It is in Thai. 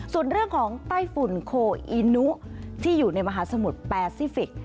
ส่วนเรื่องของไต้ฝุ่นโคอีนุที่อยู่ในมหาสมุทรแปซิฟิกส